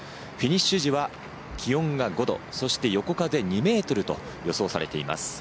フィニッシュ時は気温が５度、横風２メートルと予想されています。